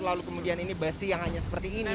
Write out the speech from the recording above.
lalu kemudian ini basi yang hanya seperti ini